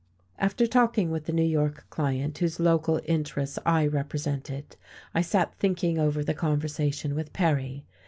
After talking with the New York client whose local interests I represented I sat thinking over the conversation with Perry.